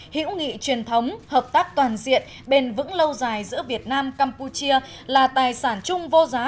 hữu nghị truyền thống hợp tác toàn diện bền vững lâu dài giữa việt nam campuchia là tài sản chung vô giá